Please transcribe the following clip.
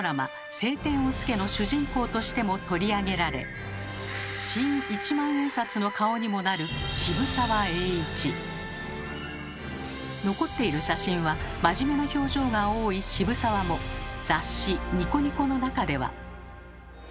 「青天を衝け」の主人公としても取り上げられ新一万円札の顔にもなる残っている写真は真面目な表情が多い渋沢も雑誌「ニコニコ」の中では。